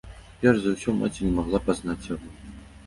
Перш за ўсё маці не магла пазнаць яго.